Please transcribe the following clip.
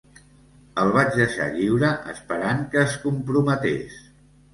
El vaig deixar lliure esperant que es comprometés.